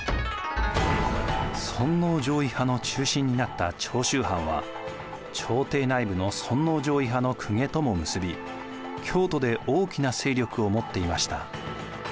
尊王攘夷派の中心になった長州藩は朝廷内部の尊王攘夷派の公家とも結び京都で大きな勢力を持っていました。